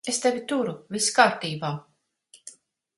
Es tevi turu. Viss kārtībā.